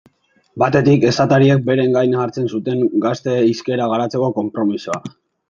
Batetik, esatariek beren gain hartzen zuten gazte hizkera garatzeko konpromisoa.